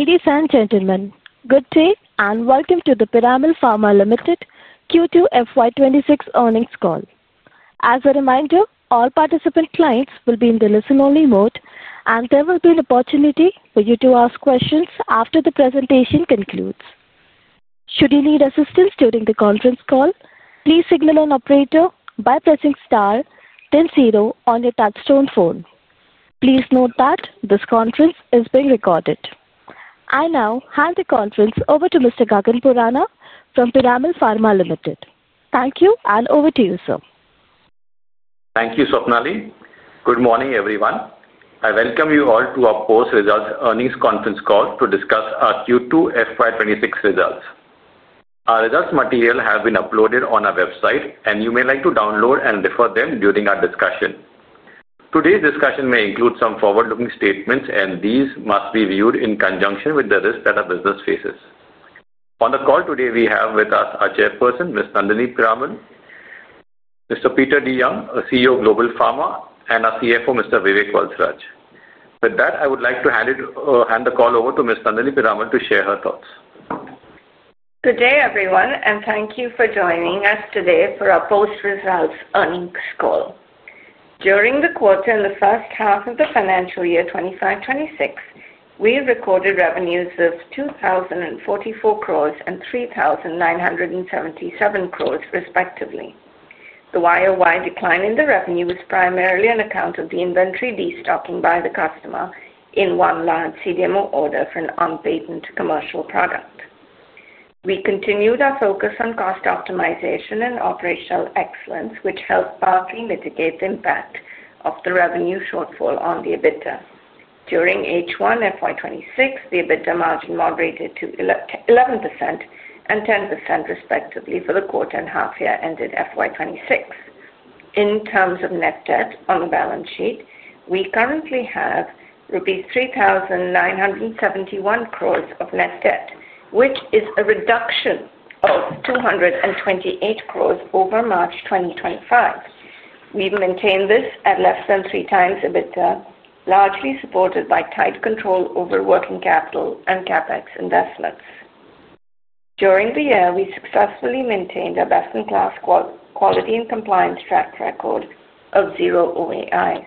Ladies and gentlemen, good day and welcome to the Piramal Pharma Limited Q2 FY 2026 earnings call. As a reminder, all participant clients will be in the listen-only mode, and there will be an opportunity for you to ask questions after the presentation concludes. Should you need assistance during the conference call, please signal an operator by pressing star then zero on your touchstone phone. Please note that this conference is being recorded. I now hand the conference over to Mr. Gagan Borana from Piramal Pharma Limited. Thank you, and over to you, sir. Thank you, Swapnali. Good morning, everyone. I welcome you all to our post-results earnings conference call to discuss our Q2 FY 2026 results. Our results material has been uploaded on our website, and you may like to download and refer to them during our discussion. Today's discussion may include some forward-looking statements, and these must be viewed in conjunction with the risk that our business faces. On the call today, we have with us our Chairperson, Ms. Nandini Piramal, Mr. Peter DeYoung, CEO of Global Pharma, and our CFO, Mr. Vivek Valsaraj. With that, I would like to hand the call over to Ms. Nandini Piramal to share her thoughts. Good day, everyone, and thank you for joining us today for our post-results earnings call. During the quarter and the first half of the financial year 2025-2026, we recorded revenues of 2,044 and 3,977, respectively. The YOY decline in the revenue was primarily on account of the inventory destocking by the customer in one large CDMO order for an unpaid commercial product. We continued our focus on cost optimization and operational excellence, which helped partly mitigate the impact of the revenue shortfall on the EBITDA. During H1 FY 2026, the EBITDA margin moderated to 11% and 10%, respectively, for the quarter and half-year ended FY 2026. In terms of net debt on the balance sheet, we currently have rupees 3,971 of net debt, which is a reduction of 228 over March 2025. We maintain this at less than 3x EBITDA, largely supported by tight control over working capital and CapEx investments. During the year, we successfully maintained a best-in-class quality and compliance track record of zero OAIs.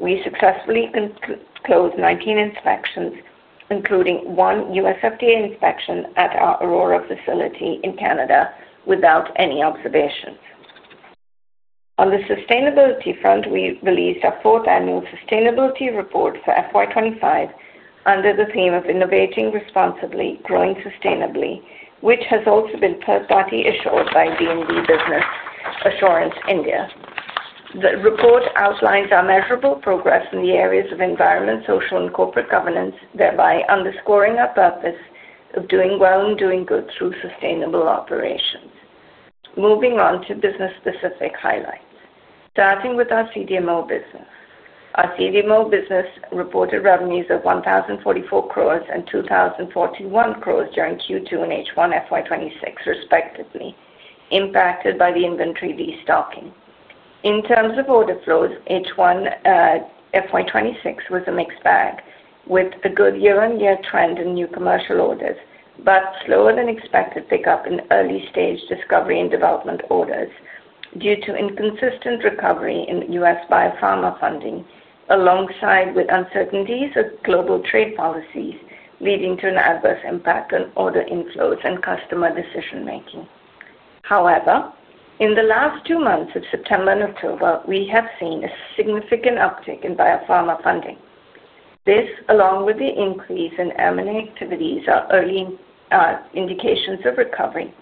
We successfully closed 19 inspections, including one USFDA inspection at our Aurora facility in Canada, without any observations. On the sustainability front, we released our fourth annual sustainability report for fiscal year 2025 under the theme of Innovating Responsibly, Growing Sustainably, which has also been third-party-issued by BNB Business Assurance, India. The report outlines our measurable progress in the areas of environment, social, and corporate governance, thereby underscoring our purpose of doing well and doing good through sustainable operations. Moving on to business-specific highlights, starting with our CDMO business. Our CDMO business reported revenues of 1,044 and 2,041 during Q2 and H1 fiscal year 2026, respectively, impacted by the inventory destocking. In terms of order flows, H1 FY 2026 was a mixed bag with a good year-on-year trend in new commercial orders, but slower than expected pickup in early-stage discovery and development orders due to inconsistent recovery in U.S. biopharma funding, alongside uncertainties of global trade policies, leading to an adverse impact on order inflows and customer decision-making. However, in the last two months of September and October, we have seen a significant uptick in biopharma funding. This, along with the increase in M&A activities, are indications of recovery.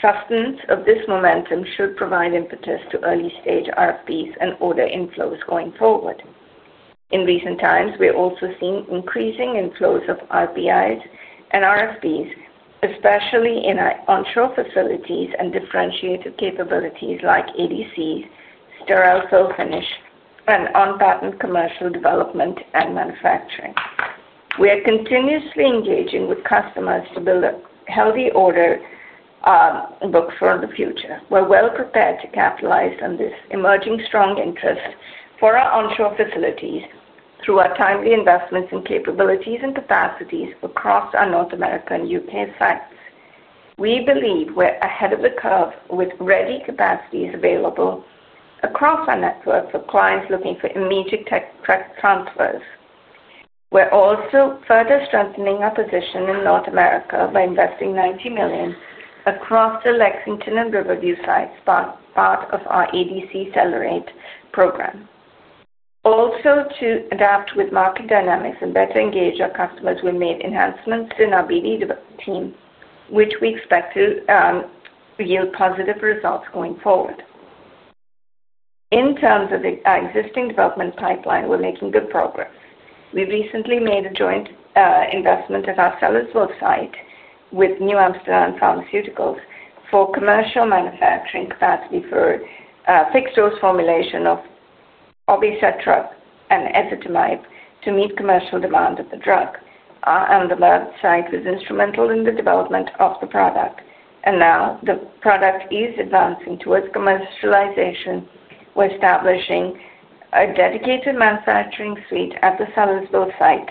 Sustenance of this momentum should provide impetus to early-stage RFPs and order inflows going forward. In recent times, we're also seeing increasing inflows of RPIs and RFPs, especially in onshore facilities and differentiated capabilities like ADCs, sterile fill finish, and unpatented commercial development and manufacturing. We are continuously engaging with customers to build a healthy order book for the future. We're well prepared to capitalize on this emerging strong interest for our onshore facilities through our timely investments in capabilities and capacities across our North America and U.K. sites. We believe we're ahead of the curve with ready capacities available across our network for clients looking for immediate transfers. We're also further strengthening our position in North America by investing 90 million across the Lexington and Riverview sites, part of our ADC seller rate program. Also, to adapt with market dynamics and better engage our customers, we made enhancements in our BD team, which we expect to yield positive results going forward. In terms of our existing development pipeline, we're making good progress. We recently made a joint investment at our Sellersville site with New Amsterdam Pharmaceuticals for commercial manufacturing capacity for fixed-dose formulation of obicetrapib and ezetimibe to meet commercial demand of the drug. Our underworld site was instrumental in the development of the product, and now the product is advancing towards commercialization. We're establishing a dedicated manufacturing suite at the Sellersville site,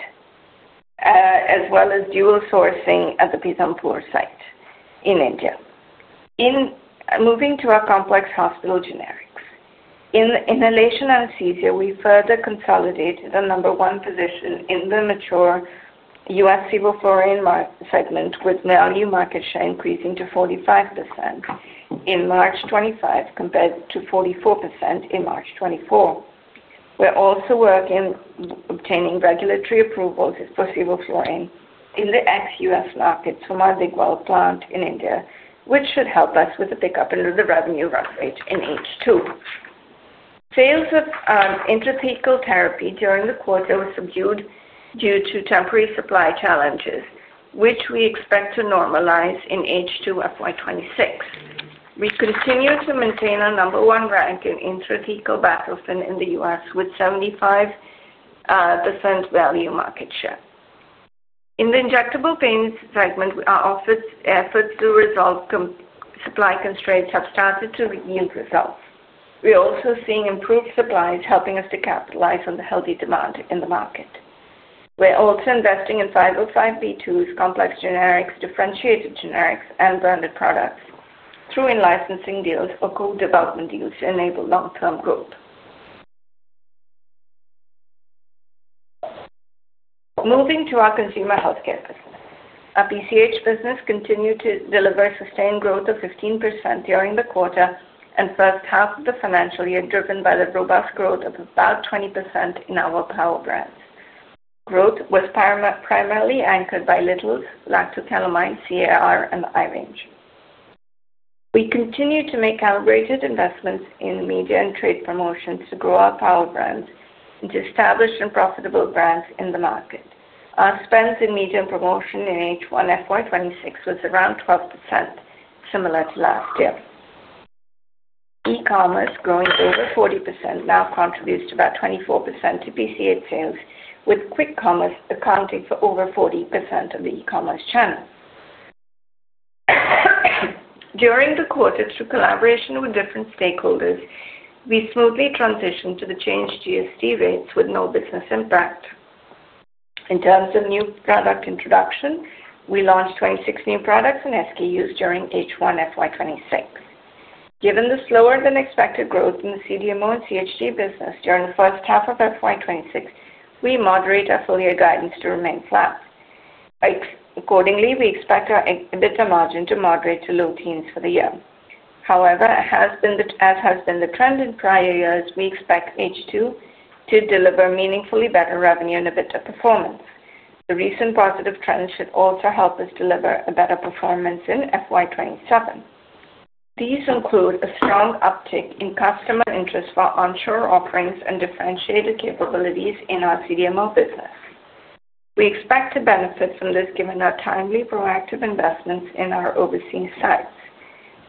as well as dual sourcing at the Pitampur site in India. Moving to our complex hospital generics. In inhalation anesthesia, we further consolidated our number one position in the mature U.S. sevoflurane market segment, with value market share increasing to 45% in March 2025 compared to 44% in March 2024. We're also working on obtaining regulatory approvals for sevoflurane in the ex-U.S. markets from our Dahej plant in India, which should help us with the pickup and the revenue roughly in H2. Sales of intrathecal therapy during the quarter were subdued due to temporary supply challenges, which we expect to normalize in H2 FY 2026. We continue to maintain our number one rank in intrathecal bupivacaine in the U.S. with 75. Percent value market share. In the injectable pain segment, our efforts to resolve supply constraints have started to yield results. We're also seeing improved supplies, helping us to capitalize on the healthy demand in the market. We're also investing in 505(b)(2)s, complex generics, differentiated generics, and branded products through licensing deals or co-development deals to enable long-term growth. Moving to our consumer healthcare business. Our PCH business continued to deliver sustained growth of 15% during the quarter and first half of the financial year, driven by the robust growth of about 20% in our power brands. Growth was primarily anchored by Little's, Lactocalmine, CAR, and iRange. We continue to make calibrated investments in media and trade promotions to grow our power brands into established and profitable brands in the market. Our spends in media and promotion in H1 FY 2026 was around 12%, similar to last year. E-commerce, growing over 40%, now contributes to about 24% to PCH sales, with quick commerce accounting for over 40% of the e-commerce channel. During the quarter, through collaboration with different stakeholders, we smoothly transitioned to the changed GST rates with no business impact. In terms of new product introduction, we launched 26 new products and SKUs during H1 FY 2026. Given the slower-than-expected growth in the CDMO and CHG business during the first half of 2026, we moderate our full-year guidance to remain flat. Accordingly, we expect our EBITDA margin to moderate to low teens for the year. However, as has been the trend in prior years, we expect H2 to deliver meaningfully better revenue and EBITDA performance. The recent positive trends should also help us deliver better performance in 2027. These include a strong uptick in customer interest for onshore offerings and differentiated capabilities in our CDMO business. We expect to benefit from this given our timely proactive investments in our overseas sites.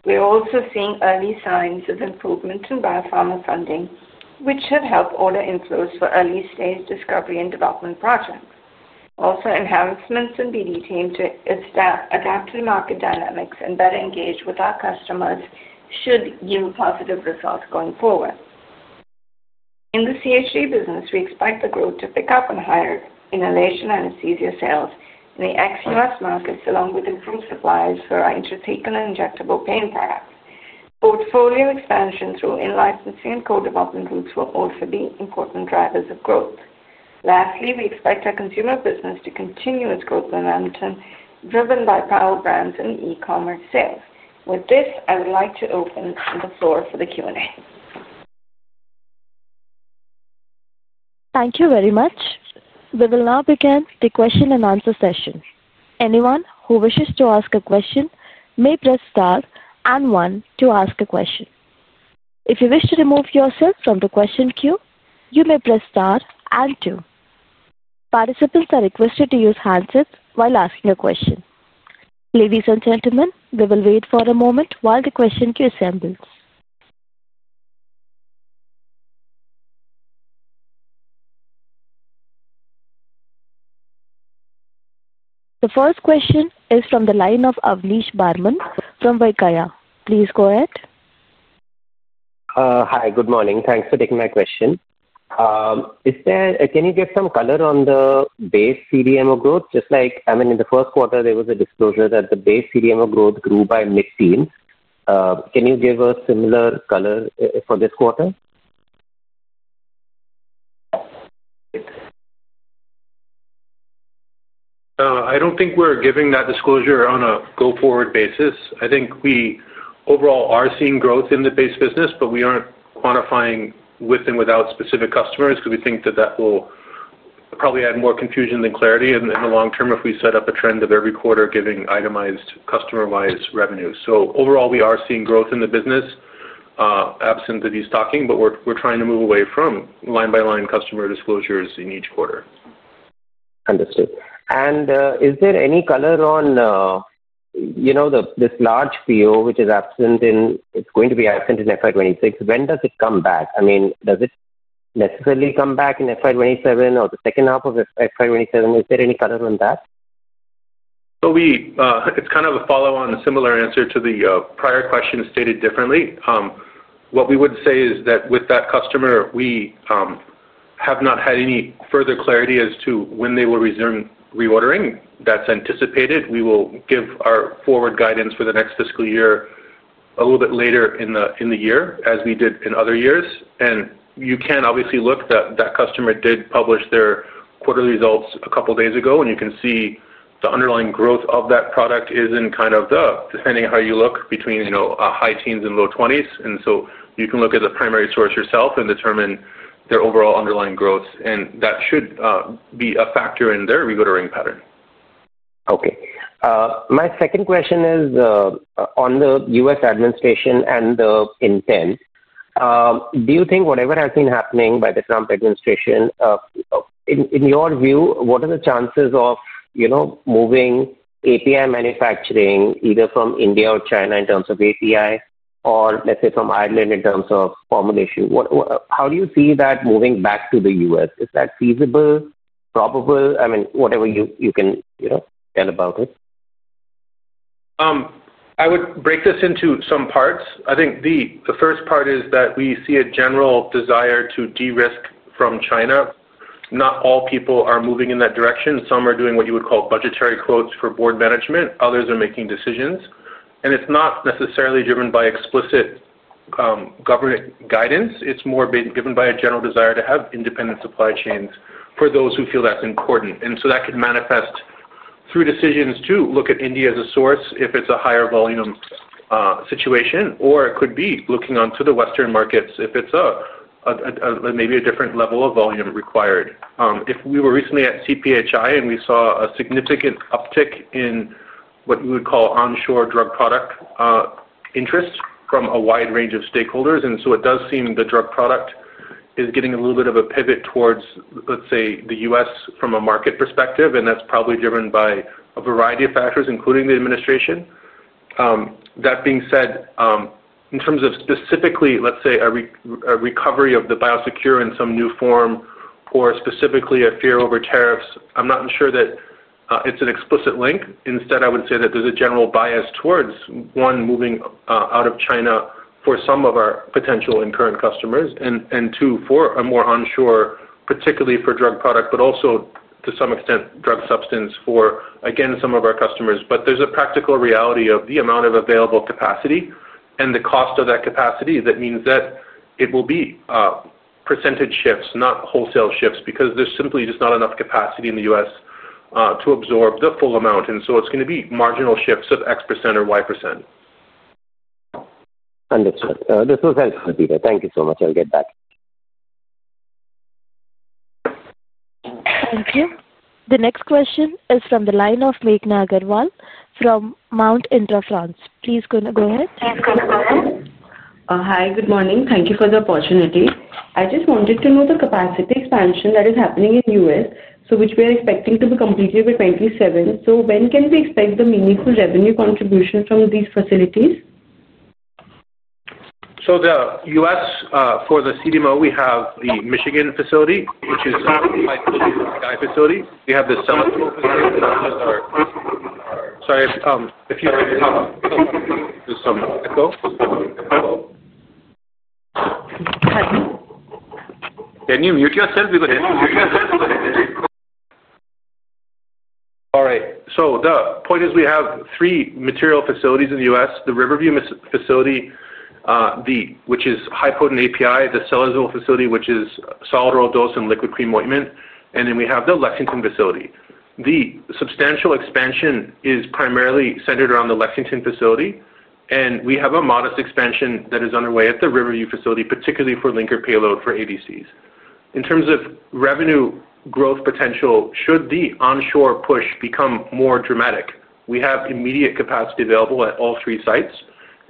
We're also seeing early signs of improvement in biopharma funding, which should help order inflows for early-stage discovery and development projects. Also, enhancements in BD team to adapt to market dynamics and better engage with our customers should yield positive results going forward. In the CHG business, we expect the growth to pick up on higher inhalation anesthesia sales in the ex-U.S. markets, along with improved supplies for our intrathecal and injectable pain products. Portfolio expansion through in-licensing and co-development groups will also be important drivers of growth. Lastly, we expect our consumer business to continue its growth momentum driven by power brands and e-commerce sales. With this, I would like to open the floor for the Q&A. Thank you very much. We will now begin the question-and-answer session. Anyone who wishes to ask a question may press star and one to ask a question. If you wish to remove yourself from the question queue, you may press star and two. Participants are requested to use handsets while asking a question. Ladies and gentlemen, we will wait for a moment while the question queue assembles. The first question is from the line of Avneesh Barman from Vikhya. Please go ahead. Hi, good morning. Thanks for taking my question. Can you get some color on the base CDMO growth? I mean, in the first quarter, there was a disclosure that the base CDMO growth grew by mid-teens. Can you give us similar color for this quarter? I don't think we're giving that disclosure on a go-forward basis. I think we overall are seeing growth in the base business, but we aren't quantifying with and without specific customers because we think that that will probably add more confusion than clarity in the long term if we set up a trend of every quarter giving itemized customer-wise revenue. Overall, we are seeing growth in the business, absent of the stocking, but we're trying to move away from line-by-line customer disclosures in each quarter. Understood. Is there any color on this large PO, which is going to be absent in FY 2026? When does it come back? I mean, does it necessarily come back in FY 2027 or the second half of FY 2027? Is there any color on that? It's kind of a follow-on, a similar answer to the prior question stated differently. What we would say is that with that customer, we have not had any further clarity as to when they will resume reordering. That's anticipated. We will give our forward guidance for the next fiscal year a little bit later in the year as we did in other years. You can obviously look that that customer did publish their quarterly results a couple of days ago, and you can see the underlying growth of that product is in kind of the, depending on how you look, between high teens and low 20s. You can look at the primary source yourself and determine their overall underlying growth. That should be a factor in their reordering pattern. Okay. My second question is. On the U.S. administration and the intent. Do you think whatever has been happening by the Trump administration. In your view, what are the chances of. Moving API manufacturing either from India or China in terms of API or, let's say, from Ireland in terms of formulation? How do you see that moving back to the U.S.? Is that feasible, probable? I mean, whatever you can tell about it. I would break this into some parts. I think the first part is that we see a general desire to de-risk from China. Not all people are moving in that direction. Some are doing what you would call budgetary quotes for board management. Others are making decisions. It is not necessarily driven by explicit government guidance. It is more been driven by a general desire to have independent supply chains for those who feel that is important. That could manifest through decisions to look at India as a source if it is a higher volume situation, or it could be looking onto the Western markets if it is maybe a different level of volume required. If we were recently at CPHI and we saw a significant uptick in what we would call onshore drug product interest from a wide range of stakeholders, and it does seem the drug product is getting a little bit of a pivot towards, let's say, the U.S. from a market perspective, and that's probably driven by a variety of factors, including the administration. That being said, in terms of specifically, let's say, a recovery of the biosecure in some new form, or specifically a fear over tariffs, I'm not sure that it's an explicit link. Instead, I would say that there's a general bias towards one, moving out of China for some of our potential and current customers, and two, for a more onshore, particularly for drug product, but also to some extent drug substance for, again, some of our customers. There is a practical reality of the amount of available capacity and the cost of that capacity that means that it will be percentage shifts, not wholesale shifts, because there is simply just not enough capacity in the U.S. to absorb the full amount. It is going to be marginal shifts of X% or Y%. Understood. This was helpful, Peter. Thank you so much. I'll get back. Thank you. The next question is from the line of Meghna Agarwal from Mount Intra Finance. Please go ahead. Please go ahead. Hi, good morning. Thank you for the opportunity. I just wanted to know the capacity expansion that is happening in the U.S., which we are expecting to be completed by 2027. When can we expect the meaningful revenue contribution from these facilities? For the CDMO, we have the Michigan facility, which is a high-quality facility. We have the Summit facility. Sorry. If you can help, just some echo. Can you mute yourself? You could mute yourself. All right. The point is we have three material facilities in the U.S.: the Riverview facility, which is high-potent API, the Sellersville facility, which is solid oral dose and liquid cream ointment, and then we have the Lexington facility. The substantial expansion is primarily centered around the Lexington facility, and we have a modest expansion that is underway at the Riverview facility, particularly for linker payload for ADCs. In terms of revenue growth potential, should the onshore push become more dramatic, we have immediate capacity available at all three sites,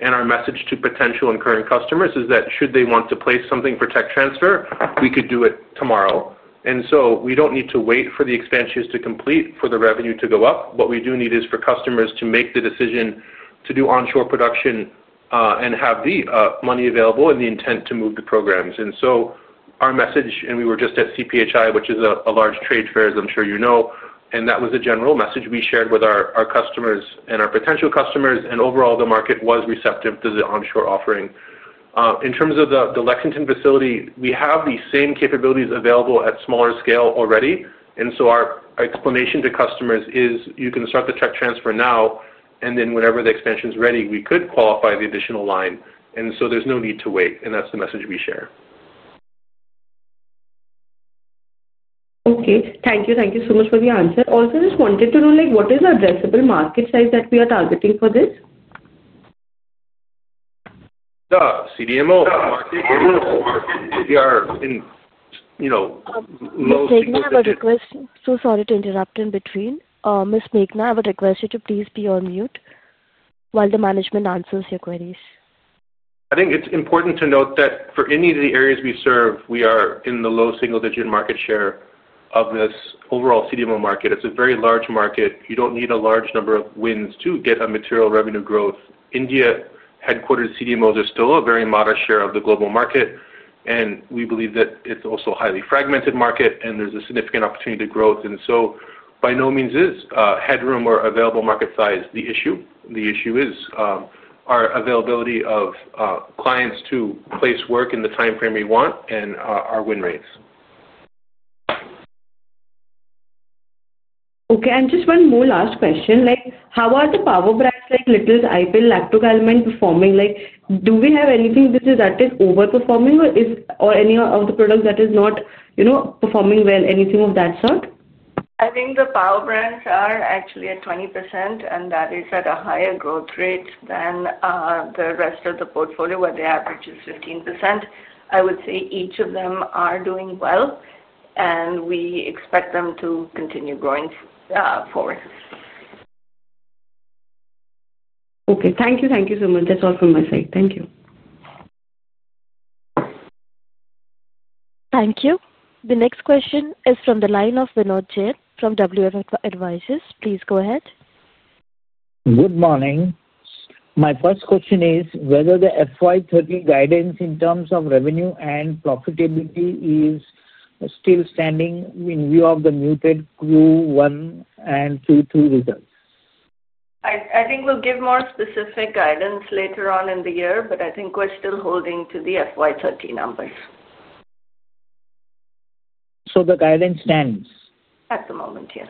and our message to potential and current customers is that should they want to place something for tech transfer, we could do it tomorrow. We do not need to wait for the expansions to complete for the revenue to go up. What we do need is for customers to make the decision to do onshore production and have the money available and the intent to move the programs. Our message, and we were just at CPHI, which is a large trade fair, as I'm sure you know, and that was the general message we shared with our customers and our potential customers, and overall, the market was receptive to the onshore offering. In terms of the Lexington facility, we have the same capabilities available at smaller scale already. Our explanation to customers is you can start the tech transfer now, and then whenever the expansion is ready, we could qualify the additional line. There is no need to wait. That is the message we share. Okay. Thank you. Thank you so much for the answer. Also, I just wanted to know what is the addressable market size that we are targeting for this? The CDMO market. We are in. Ms. Meghna, I have a request. So sorry to interrupt in between. Ms. Meghna, I would request you to please be on mute while the management answers your queries. I think it's important to note that for any of the areas we serve, we are in the low single-digit market share of this overall CDMO market. It's a very large market. You don't need a large number of wins to get a material revenue growth. India headquartered CDMOs are still a very modest share of the global market, and we believe that it's also a highly fragmented market, and there's a significant opportunity to growth. By no means is headroom or available market size the issue. The issue is our availability of clients to place work in the time frame we want and our win rates. Okay. And just one more last question. How are the power brands like Little's, iRange, Lactocalmine performing? Do we have anything that is overperforming or any of the products that are not performing well, anything of that sort? I think the power brands are actually at 20%, and that is at a higher growth rate than the rest of the portfolio, where the average is 15%. I would say each of them are doing well. We expect them to continue growing forward. Okay. Thank you. Thank you so much. That's all from my side. Thank you. Thank you. The next question is from the line of Vinod Jain from WF Advisors. Please go ahead. Good morning. My first question is whether the FY 2013 guidance in terms of revenue and profitability is still standing in view of the muted Q1 and Q2 results? I think we'll give more specific guidance later on in the year, but I think we're still holding to the FY 2013 numbers. The guidance stands? At the moment, yes.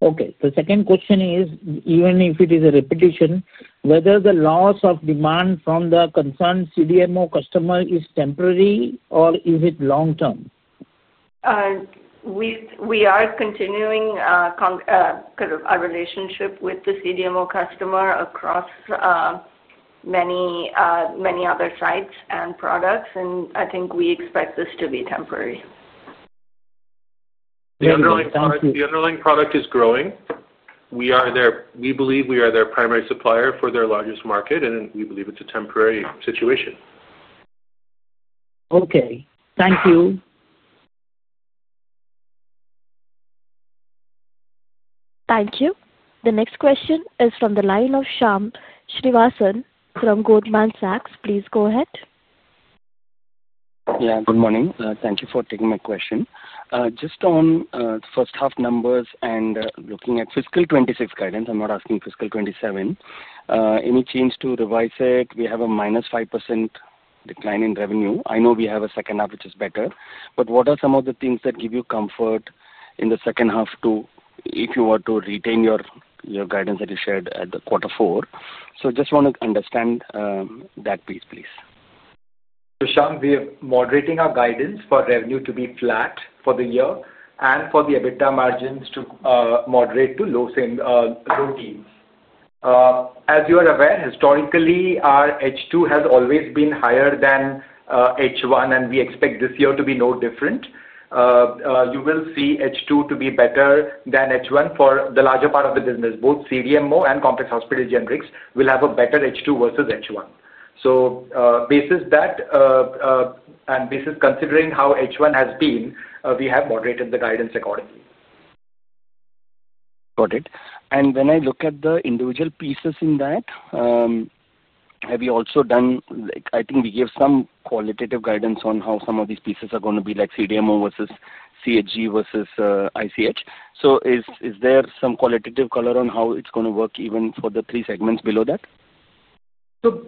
Okay. The second question is, even if it is a repetition, whether the loss of demand from the concerned CDMO customer is temporary or is it long-term? We are continuing our relationship with the CDMO customer across many other sites and products, and I think we expect this to be temporary. The underlying product is growing. We believe we are their primary supplier for their largest market, and we believe it's a temporary situation. Okay. Thank you. Thank you. The next question is from the line of Shyam Srinivasan from Goldman Sachs. Please go ahead. Yeah. Good morning. Thank you for taking my question. Just on the first half numbers and looking at fiscal 2026 guidance, I'm not asking fiscal 2027, any change to revise it? We have a -5% decline in revenue. I know we have a second half, which is better. What are some of the things that give you comfort in the second half if you were to retain your guidance that you shared at the quarter four? I just want to understand that piece, please. Shyam, we are moderating our guidance for revenue to be flat for the year and for the EBITDA margins to moderate to low teens. As you are aware, historically, our H2 has always been higher than H1, and we expect this year to be no different. You will see H2 to be better than H1 for the larger part of the business. Both CDMO and complex hospital generics will have a better H2 versus H1. Based on that, and considering how H1 has been, we have moderated the guidance accordingly. Got it. When I look at the individual pieces in that, have you also done, I think we gave some qualitative guidance on how some of these pieces are going to be, like CDMO versus CHG versus ICH. Is there some qualitative color on how it is going to work even for the three segments below that?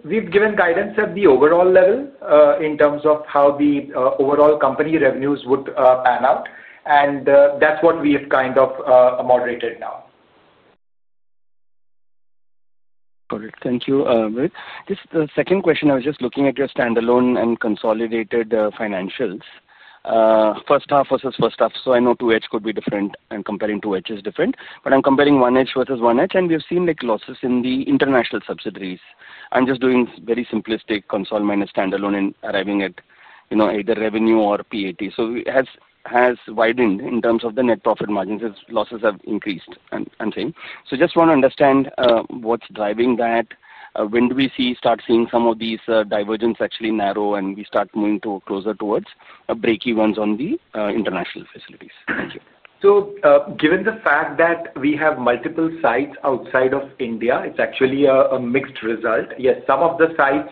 We've given guidance at the overall level in terms of how the overall company revenues would pan out, and that's what we have kind of moderated now. Got it. Thank you. Just the second question, I was just looking at your standalone and consolidated financials. First half versus first half. I know two H could be different, and comparing two H is different. I am comparing one H versus one H, and we have seen losses in the international subsidiaries. I am just doing very simplistic console minus standalone and arriving at either revenue or PAT. It has widened in terms of the net profit margins as losses have increased, I am saying. I just want to understand what is driving that. When do we start seeing some of these divergence actually narrow and we start moving closer towards break-evens on the international facilities? Thank you. Given the fact that we have multiple sites outside of India, it's actually a mixed result. Yes, some of the sites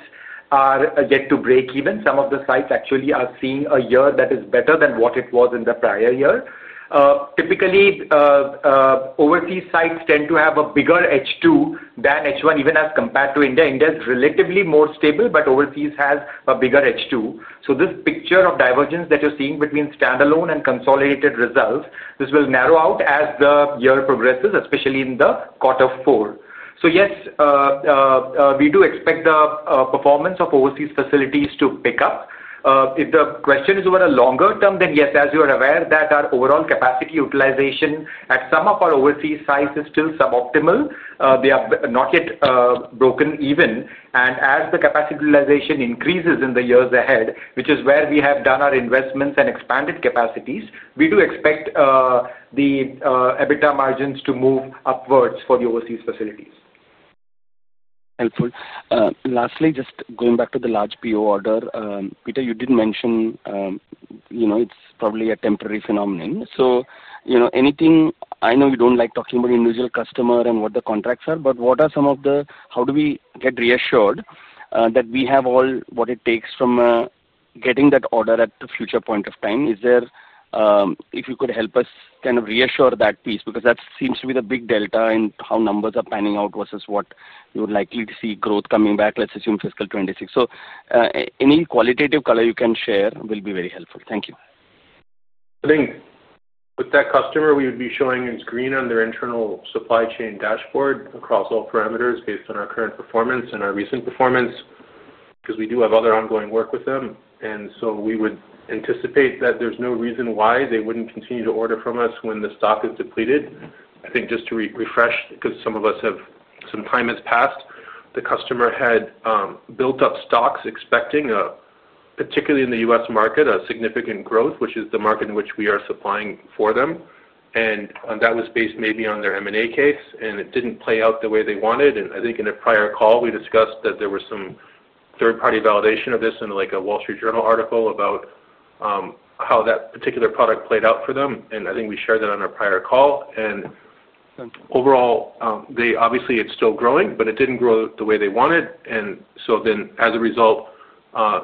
get to break-even. Some of the sites actually are seeing a year that is better than what it was in the prior year. Typically, overseas sites tend to have a bigger H2 than H1, even as compared to India. India is relatively more stable, but overseas has a bigger H2. This picture of divergence that you're seeing between standalone and consolidated results, this will narrow out as the year progresses, especially in quarter four. Yes, we do expect the performance of overseas facilities to pick up. If the question is over the longer term, then yes, as you are aware, our overall capacity utilization at some of our overseas sites is still sub-optimal. They are not yet broken even. As the capacity utilization increases in the years ahead, which is where we have done our investments and expanded capacities, we do expect the EBITDA margins to move upwards for the overseas facilities. Helpful. Lastly, just going back to the large PO order, Peter, you did mention. It's probably a temporary phenomenon. I know you don't like talking about individual customer and what the contracts are, but what are some of the, how do we get reassured that we have all what it takes from getting that order at the future point of time? If you could help us kind of reassure that piece, because that seems to be the big delta in how numbers are panning out versus what you're likely to see growth coming back, let's assume fiscal 2026. Any qualitative color you can share will be very helpful. Thank you. I think with that customer, we would be showing a screen on their internal supply chain dashboard across all parameters based on our current performance and our recent performance, because we do have other ongoing work with them. We would anticipate that there's no reason why they wouldn't continue to order from us when the stock is depleted. I think just to refresh, because some of us have some time has passed, the customer had built up stocks expecting, particularly in the U.S. market, a significant growth, which is the market in which we are supplying for them. That was based maybe on their M&A case, and it did not play out the way they wanted. I think in a prior call, we discussed that there was some third-party validation of this in a Wall Street Journal article about how that particular product played out for them. I think we shared that on a prior call. Overall, obviously, it's still growing, but it didn't grow the way they wanted. As a result,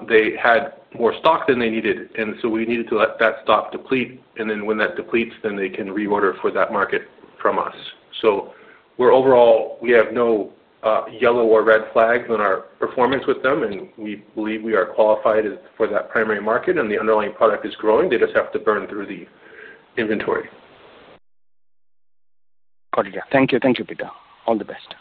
they had more stock than they needed. We needed to let that stock deplete. When that depletes, they can reorder for that market from us. Overall, we have no yellow or red flags on our performance with them, and we believe we are qualified for that primary market, and the underlying product is growing. They just have to burn through the inventory. Got it. Yeah. Thank you. Thank you, Peter. All the best.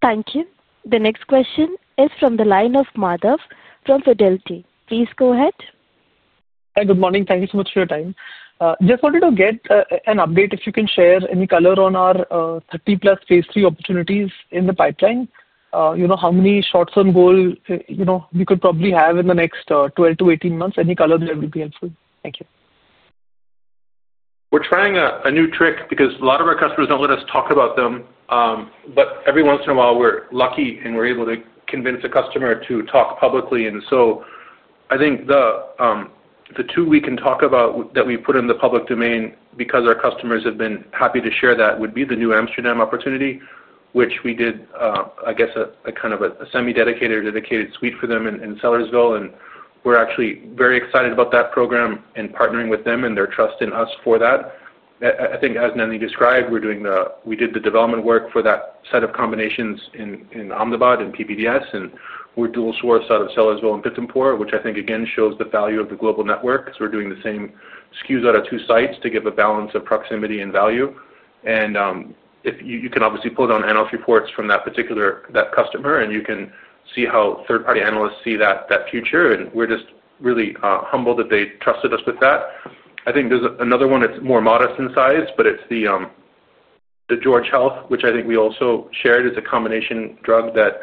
Thank you. The next question is from the line of Madhav from Fidelity. Please go ahead. Hi, good morning. Thank you so much for your time. Just wanted to get an update if you can share any color on our 30+ phase three opportunities in the pipeline. How many short-term goals we could probably have in the next 12-18 months? Any color there would be helpful. Thank you. We're trying a new trick because a lot of our customers don't let us talk about them. Every once in a while, we're lucky and we're able to convince a customer to talk publicly. I think the two we can talk about that we put in the public domain because our customers have been happy to share that would be the New Amsterdam opportunity, which we did, I guess, kind of a semi-dedicated or dedicated suite for them in Sellersville. We're actually very excited about that program and partnering with them and their trust in us for that. I think, as Nandini described, we did the development work for that set of combinations in Omnibot and PBDS. We're dual source out of Sellersville and Pitampur, which I think, again, shows the value of the global network because we're doing the same SKUs out of two sites to give a balance of proximity and value. You can obviously pull down analyst reports from that particular customer, and you can see how third-party analysts see that future. We're just really humbled that they trusted us with that. I think there's another one that's more modest in size, but it's the George Health, which I think we also shared. It's a combination drug that,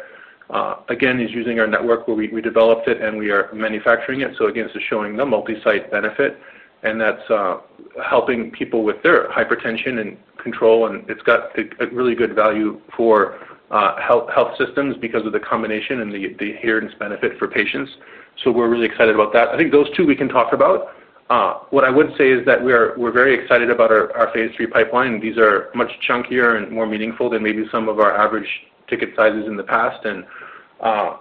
again, is using our network where we developed it, and we are manufacturing it. Again, it's showing the multi-site benefit, and that's helping people with their hypertension and control. It's got a really good value for health systems because of the combination and the adherence benefit for patients. We're really excited about that. I think those two we can talk about. What I would say is that we're very excited about our phase three pipeline. These are much chunkier and more meaningful than maybe some of our average ticket sizes in the past.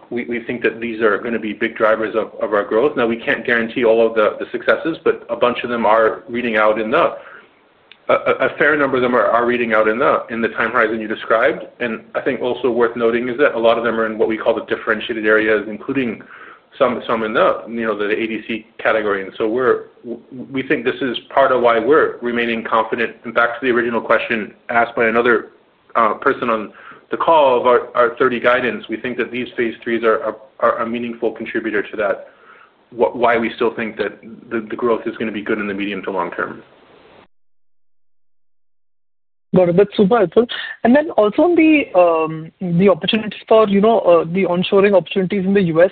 We think that these are going to be big drivers of our growth. Now, we can't guarantee all of the successes, but a bunch of them are reading out in the—a fair number of them are reading out in the time horizon you described. I think also worth noting is that a lot of them are in what we call the differentiated areas, including some in the ADC category. We think this is part of why we're remaining confident. Back to the original question asked by another person on the call of our 30 guidance, we think that these phase threes are a meaningful contributor to why we still think that the growth is going to be good in the medium to long term. Got it. That's super helpful. Also, on the opportunities for the onshoring opportunities in the U.S.,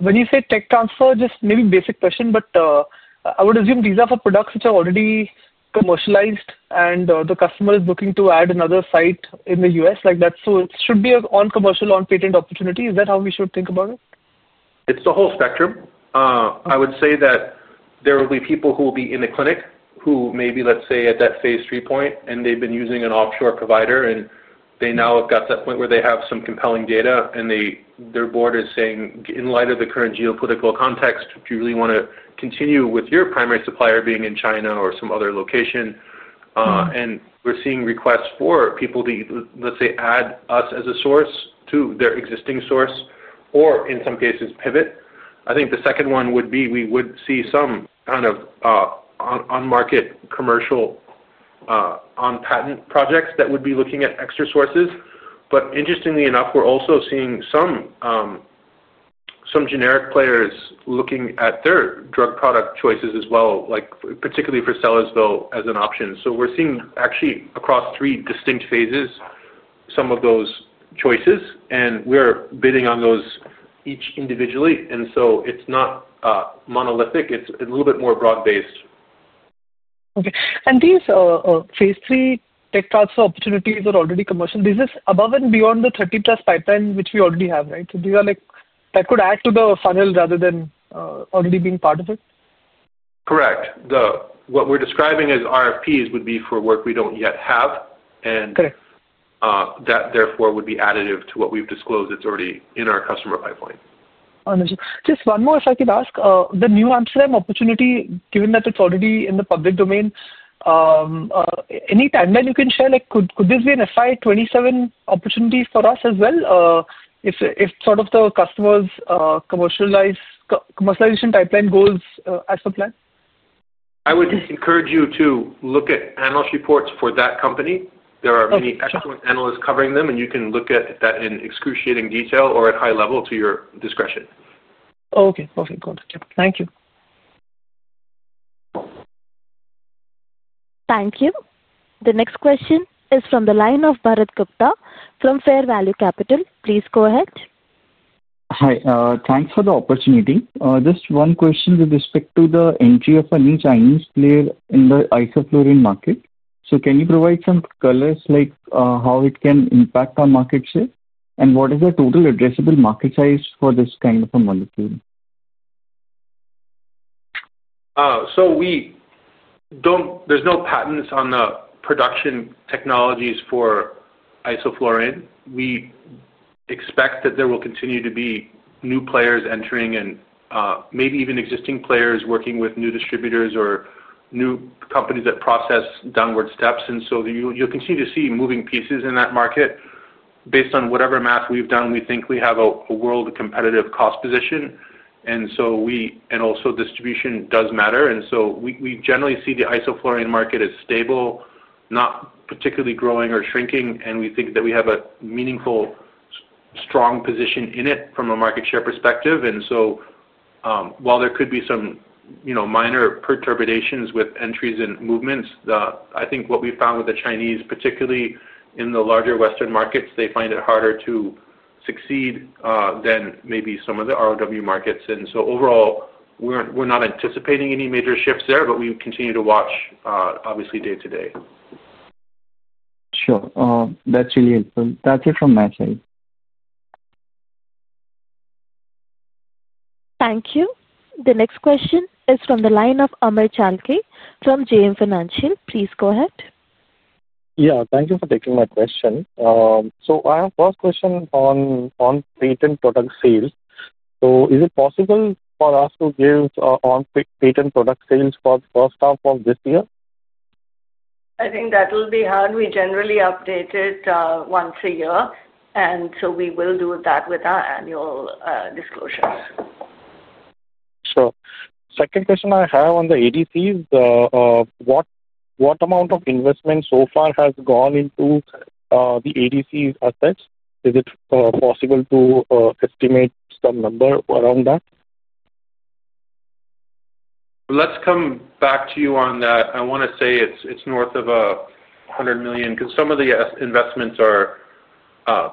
when you say tech transfer, just maybe basic question, but I would assume these are for products which are already commercialized, and the customer is looking to add another site in the U.S. It should be a non-commercial, on-patent opportunity. Is that how we should think about it? It's the whole spectrum. I would say that. There will be people who will be in the clinic who maybe, let's say, at that phase three point, and they've been using an offshore provider, and they now have got to that point where they have some compelling data, and their board is saying, "In light of the current geopolitical context, do you really want to continue with your primary supplier being in China or some other location?" We're seeing requests for people to, let's say, add us as a source to their existing source or, in some cases, pivot. I think the second one would be we would see some kind of on-market commercial, on-patent projects that would be looking at extra sources. Interestingly enough, we're also seeing some generic players looking at their drug product choices as well, particularly for Sellersville as an option. We're seeing actually across three distinct phases some of those choices, and we're bidding on those each individually. It's not monolithic. It's a little bit more broad-based. Okay. These phase three tech transfer opportunities are already commercial. This is above and beyond the 30-plus pipeline which we already have, right? That could add to the funnel rather than already being part of it? Correct. What we're describing as RFPs would be for work we don't yet have. Correct. That therefore would be additive to what we've disclosed. It's already in our customer pipeline. Understood. Just one more, if I could ask, the New Amsterdam opportunity, given that it's already in the public domain. Any timeline you can share? Could this be an FY 2027 opportunity for us as well if sort of the customer's commercialization pipeline goals as per plan? I would encourage you to look at analyst reports for that company. There are many excellent analysts covering them, and you can look at that in excruciating detail or at high level to your discretion. Okay. Perfect. Got it. Thank you. Thank you. The next question is from the line of Bharat Gupta from Fair Value Capital. Please go ahead. Hi. Thanks for the opportunity. Just one question with respect to the entry of a new Chinese player in the isoflurane market. Can you provide some colors like how it can impact our market share? What is the total addressable market size for this kind of a molecule? There are no patents on the production technologies for isoflurane. We expect that there will continue to be new players entering and maybe even existing players working with new distributors or new companies that process downward steps. You will continue to see moving pieces in that market. Based on whatever math we have done, we think we have a world competitive cost position. Also, distribution does matter. We generally see the isoflurane market as stable, not particularly growing or shrinking. We think that we have a meaningful, strong position in it from a market share perspective. While there could be some minor perturbations with entries and movements, I think what we found with the Chinese, particularly in the larger Western markets, is that they find it harder to succeed than maybe some of the rest of world markets. Overall, we're not anticipating any major shifts there, but we continue to watch, obviously, day to day. Sure. That's really helpful. That's it from my side. Thank you. The next question is from the line of Amey Chalke from JM Financial. Please go ahead. Yeah. Thank you for taking my question. I have a first question on on-patent product sales. Is it possible for us to give on-patent product sales for the first half of this year? I think that will be hard. We generally update it once a year. We will do that with our annual disclosures. Sure. Second question I have on the ADCs. What amount of investment so far has gone into the ADCs assets? Is it possible to estimate some number around that? Let's come back to you on that. I want to say it's north of $100 million because some of the investments are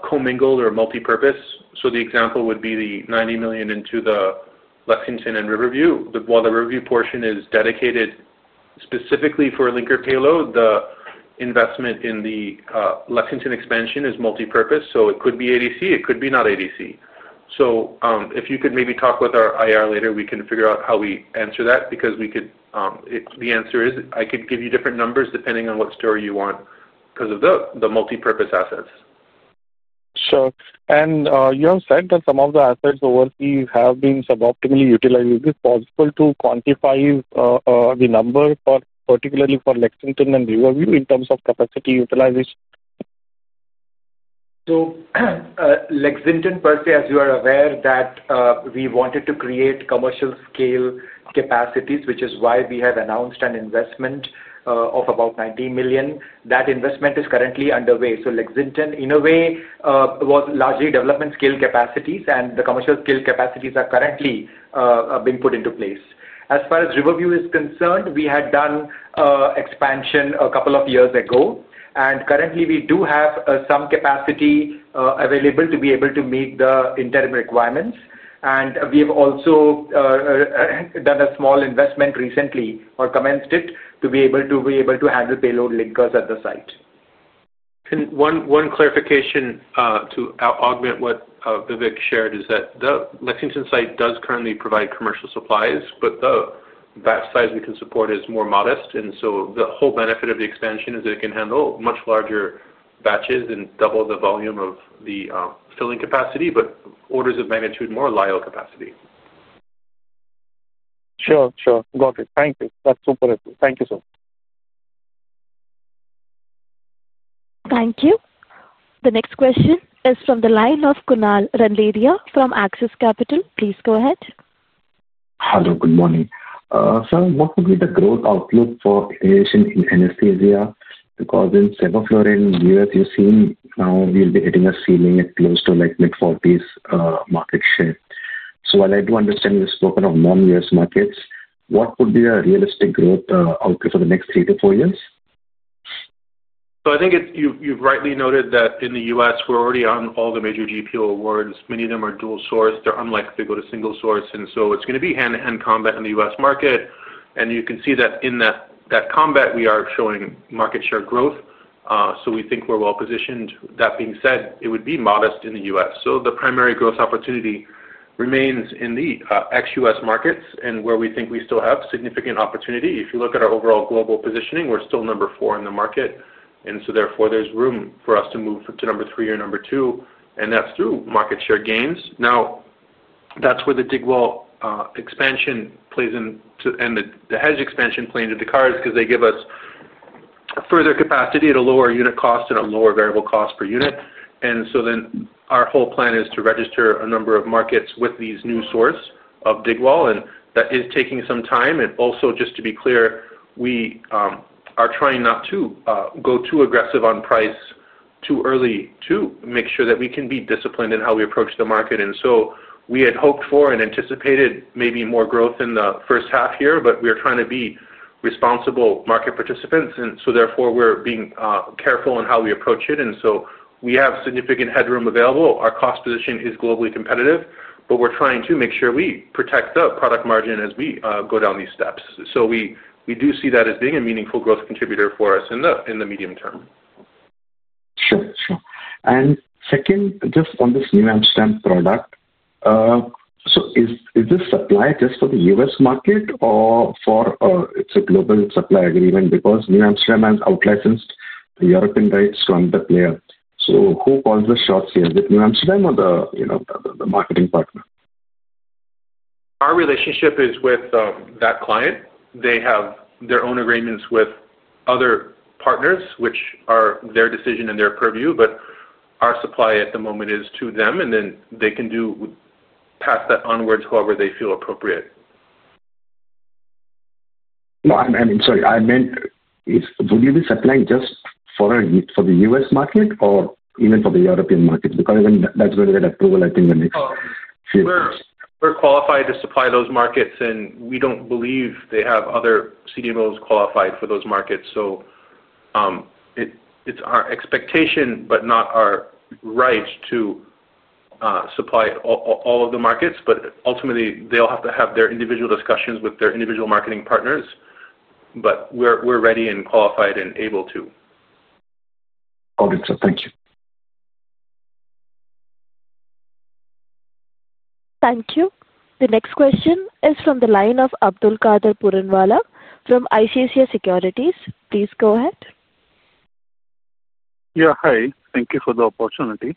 comingled or multipurpose. The example would be the 90 million into the Lexington and Riverview. While the Riverview portion is dedicated specifically for linker payload, the investment in the Lexington expansion is multipurpose. It could be ADC, it could be not ADC. If you could maybe talk with our IR later, we can figure out how we answer that because the answer is I could give you different numbers depending on what story you want because of the multipurpose assets. Sure. You have said that some of the assets already have been suboptimally utilized. Is it possible to quantify the number, particularly for Lexington and Riverview, in terms of capacity utilization? Lexington, per se, as you are aware, that we wanted to create commercial-scale capacities, which is why we have announced an investment of about $19 million. That investment is currently underway. Lexington, in a way, was largely development-scale capacities, and the commercial-scale capacities are currently being put into place. As far as Riverview is concerned, we had done expansion a couple of years ago. Currently, we do have some capacity available to be able to meet the interim requirements. We have also done a small investment recently or commenced it to be able to handle payload linkers at the site. One clarification to augment what Vivek shared is that the Lexington site does currently provide commercial supplies, but that size we can support is more modest. The whole benefit of the expansion is that it can handle much larger batches and double the volume of the filling capacity, but orders of magnitude more LIO capacity. Sure. Sure. Got it. Thank you. That's super helpful. Thank you so much. Thank you. The next question is from the line of Kunal Randeria from Axis Capital. Please go ahead. Hello. Good morning. Sir, what would be the growth outlook for iteration in NST area? Because in sevoflurane US, you've seen now we'll be hitting a ceiling at close to mid-40% market share. So while I do understand you've spoken of non-US markets, what would be a realistic growth outlook for the next three to four years? I think you've rightly noted that in the U.S., we're already on all the major GPO awards. Many of them are dual source. They're unlikely to go to single source. It's going to be hand-to-hand combat in the U.S. market. You can see that in that combat, we are showing market share growth. We think we're well positioned. That being said, it would be modest in the U.S. The primary growth opportunity remains in the ex-U.S. markets where we think we still have significant opportunity. If you look at our overall global positioning, we're still number four in the market. Therefore, there's room for us to move to number three or number two, and that's through market share gains. Now, that's where the Dahej expansion plays in and the hedge expansion plays into the cards because they give us. Further capacity at a lower unit cost and a lower variable cost per unit. Our whole plan is to register a number of markets with these new sources of DigWall. That is taking some time. Also, just to be clear, we are trying not to go too aggressive on price too early to make sure that we can be disciplined in how we approach the market. We had hoped for and anticipated maybe more growth in the first half here, but we are trying to be responsible market participants. Therefore, we are being careful in how we approach it. We have significant headroom available. Our cost position is globally competitive, but we are trying to make sure we protect the product margin as we go down these steps. We do see that as being a meaningful growth contributor for us in the medium term. Sure. Sure. And second, just on this New Amsterdam product. So is this supply just for the U.S. market or it's a global supply agreement? Because New Amsterdam has outlicensed the European rights to Underplayer. So who calls the shots here? Is it New Amsterdam or the marketing partner? Our relationship is with that client. They have their own agreements with other partners, which are their decision and their purview, but our supply at the moment is to them, and then they can pass that onwards however they feel appropriate. I mean, sorry, I meant. Would you be supplying just for the U.S. market or even for the European market? Because that's going to get approval, I think, in the next few years. We're qualified to supply those markets, and we don't believe they have other CDMOs qualified for those markets. It's our expectation, but not our right to supply all of the markets. Ultimately, they'll have to have their individual discussions with their individual marketing partners. We're ready and qualified and able to. Got it. Thank you. Thank you. The next question is from the line of Abdulkader Puranwala from ICICI Securities. Please go ahead. Yeah. Hi. Thank you for the opportunity.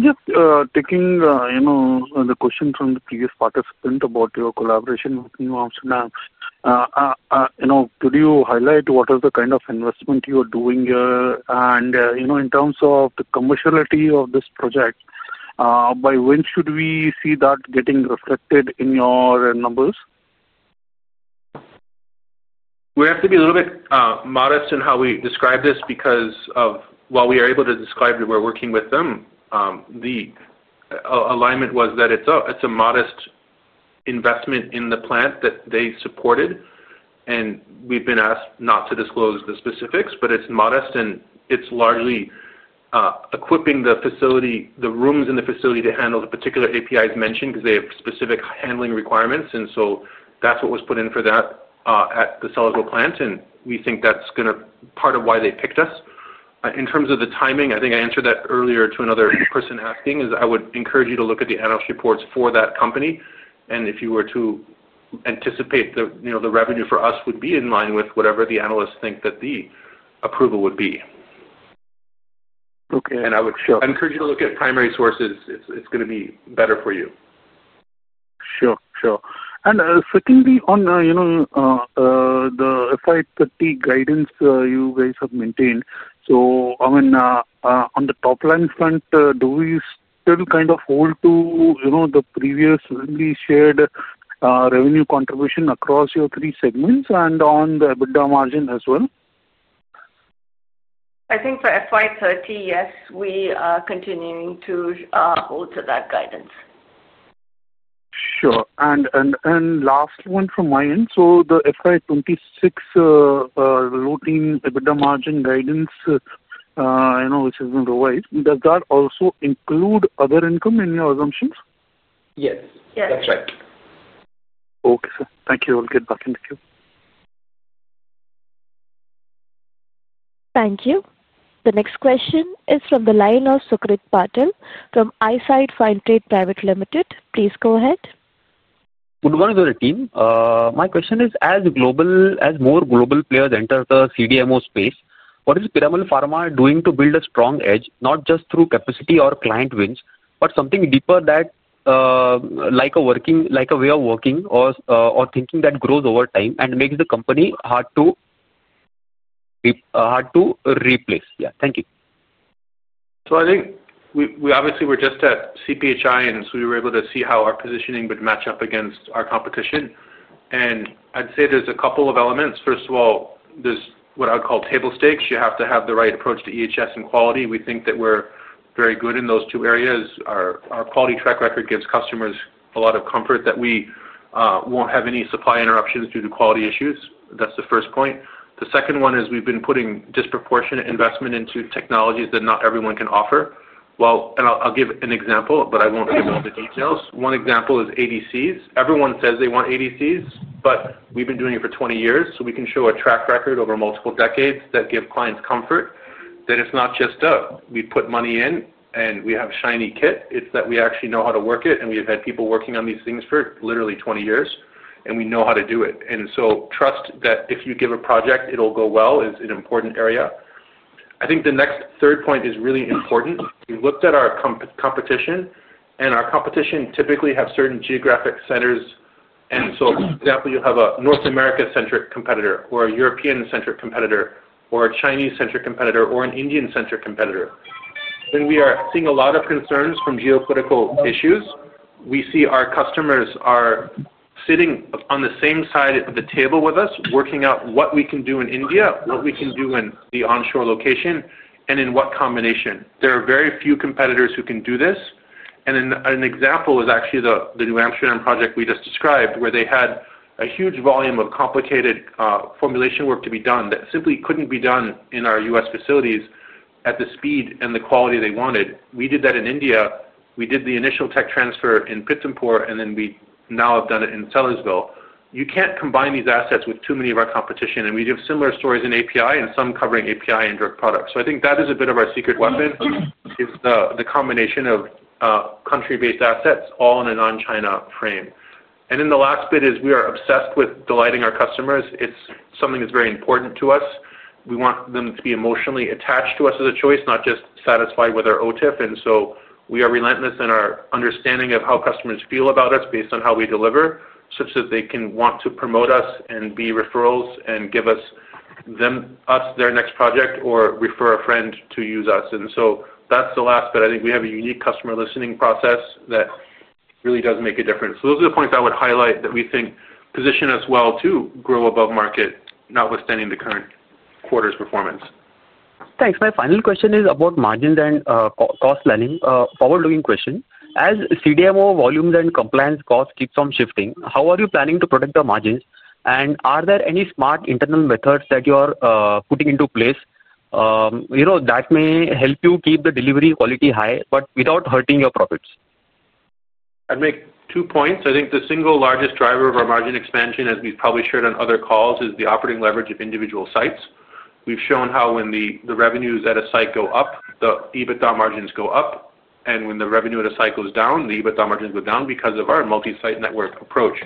Just taking the question from the previous participant about your collaboration with New Amsterdam. Could you highlight what is the kind of investment you are doing here? In terms of the commerciality of this project, by when should we see that getting reflected in your numbers? We have to be a little bit modest in how we describe this because while we are able to describe that we're working with them, the alignment was that it's a modest investment in the plant that they supported. We've been asked not to disclose the specifics, but it's modest, and it's largely equipping the facility, the rooms in the facility to handle the particular APIs mentioned because they have specific handling requirements. That's what was put in for that at the Sellersville plant. We think that's going to be part of why they picked us. In terms of the timing, I think I answered that earlier to another person asking, is I would encourage you to look at the analyst reports for that company. If you were to anticipate the revenue for us, it would be in line with whatever the analysts think that the approval would be. I would encourage you to look at primary sources. It's going to be better for you. Sure. Sure. And secondly, on the FY 30 guidance you guys have maintained. On the top line front, do we still kind of hold to the previously shared revenue contribution across your three segments and on the EBITDA margin as well? I think for FY 2030, yes, we are continuing to hold to that guidance. Sure. And last one from my end. The FY 2026 loading EBITDA margin guidance, which has been revised, does that also include other income in your assumptions? Yes. Yes. That's right. Okay, sir. Thank you. I'll get back to you. Thank you. The next question is from the line of Sucrit Patil from Eyesight Finetrade Private Limited. Please go ahead. Good morning, Sukrit team. My question is, as more global players enter the CDMO space, what is Piramal Pharma doing to build a strong edge, not just through capacity or client wins, but something deeper than that. Like a way of working or thinking that grows over time and makes the company hard to replace? Yeah. Thank you. I think we obviously were just at CPHI, and we were able to see how our positioning would match up against our competition. I'd say there's a couple of elements. First of all, there's what I would call table stakes. You have to have the right approach to EHS and quality. We think that we're very good in those two areas. Our quality track record gives customers a lot of comfort that we won't have any supply interruptions due to quality issues. That's the first point. The second one is we've been putting disproportionate investment into technologies that not everyone can offer. I'll give an example, but I won't give all the details. One example is ADCs. Everyone says they want ADCs, but we've been doing it for 20 years. We can show a track record over multiple decades that gives clients comfort that it's not just a, "We put money in and we have a shiny kit." It's that we actually know how to work it, and we have had people working on these things for literally 20 years, and we know how to do it. Trust that if you give a project, it'll go well is an important area. I think the next third point is really important. We've looked at our competition, and our competition typically has certain geographic centers. For example, you have a North America-centric competitor or a European-centric competitor or a Chinese-centric competitor or an Indian-centric competitor. We are seeing a lot of concerns from geopolitical issues. We see our customers are sitting on the same side of the table with us, working out what we can do in India, what we can do in the onshore location, and in what combination. There are very few competitors who can do this. An example is actually the New Amsterdam project we just described, where they had a huge volume of complicated formulation work to be done that simply could not be done in our U.S. facilities at the speed and the quality they wanted. We did that in India. We did the initial tech transfer in Pittsburgh, and then we now have done it in Sellersville. You cannot combine these assets with too many of our competition. We do have similar stories in API and some covering API and drug products. I think that is a bit of our secret weapon, is the combination of. Country-based assets all in a non-China frame. The last bit is we are obsessed with delighting our customers. It's something that's very important to us. We want them to be emotionally attached to us as a choice, not just satisfied with our OTIF. We are relentless in our understanding of how customers feel about us based on how we deliver, such that they can want to promote us and be referrals and give us their next project or refer a friend to use us. That's the last bit. I think we have a unique customer listening process that really does make a difference. Those are the points I would highlight that we think position us well to grow above market, notwithstanding the current quarter's performance. Thanks. My final question is about margins and cost planning. Forward-looking question. As CDMO volumes and compliance costs keep on shifting, how are you planning to protect the margins? Are there any smart internal methods that you are putting into place that may help you keep the delivery quality high, but without hurting your profits? I'd make two points. I think the single largest driver of our margin expansion, as we've probably shared on other calls, is the operating leverage of individual sites. We've shown how when the revenues at a site go up, the EBITDA margins go up. When the revenue at a site goes down, the EBITDA margins go down because of our multi-site network approach.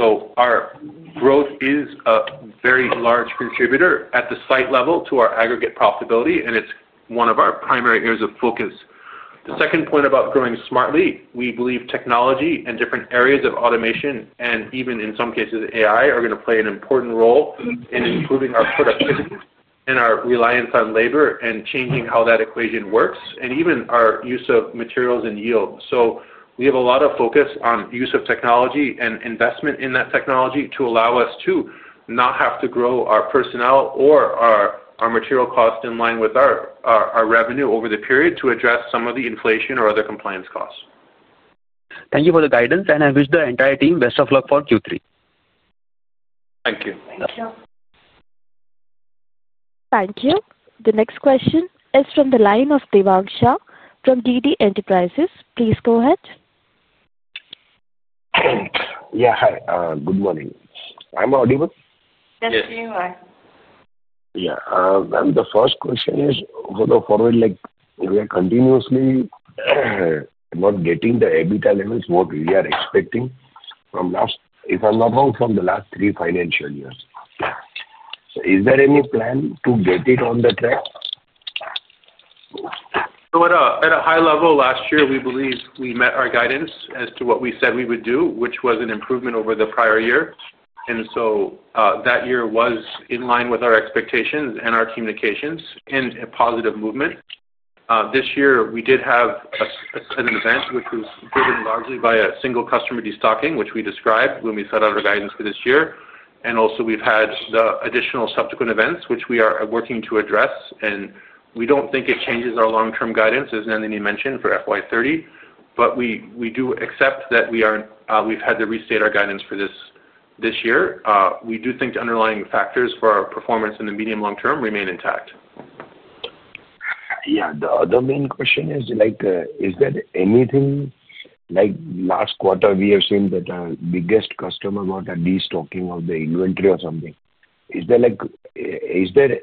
Our growth is a very large contributor at the site level to our aggregate profitability, and it's one of our primary areas of focus. The second point about growing smartly, we believe technology and different areas of automation and even, in some cases, AI are going to play an important role in improving our productivity and our reliance on labor and changing how that equation works and even our use of materials and yield. We have a lot of focus on use of technology and investment in that technology to allow us to not have to grow our personnel or our material cost in line with our revenue over the period to address some of the inflation or other compliance costs. Thank you for the guidance, and I wish the entire team best of luck for Q3. Thank you. Thank you. The next question is from the line of Devansha from DD Enterprises. Please go ahead. Yeah. Hi. Good morning. I'm audible. Yes, you are. Yeah. The first question is, for the forward, we are continuously not getting the EBITDA levels what we are expecting from last, if I'm not wrong, from the last three financial years. Is there any plan to get it on the track? At a high level, last year, we believe we met our guidance as to what we said we would do, which was an improvement over the prior year. That year was in line with our expectations and our communications and a positive movement. This year, we did have an event, which was driven largely by a single customer destocking, which we described when we set out our guidance for this year. Also, we have had the additional subsequent events, which we are working to address. We do not think it changes our long-term guidance, as Nandini mentioned, for FY 2030, but we do accept that we have had to restate our guidance for this year. We do think the underlying factors for our performance in the medium and long term remain intact. Yeah. The main question is, is there anything? Like last quarter, we have seen that our biggest customer got a destocking of the inventory or something. Is there